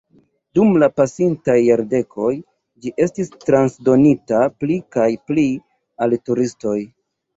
Dum la pasintaj jardekoj ĝi estis transdonita pli kaj pli al turistoj.